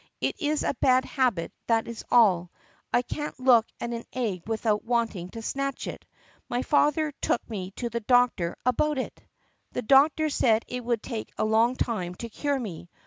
"It is a bad habit, that is all. I can't look at an egg without wanting to snatch it. My father took me to the doctor's about 86 THE PUSSYCAT PRINCESS it. The doctor said it would take a long time to cure me.